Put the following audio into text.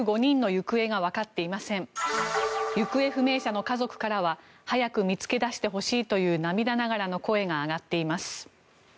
行方不明者の家族からは早く見つけ出してほしいという涙ながらの声が上がっています。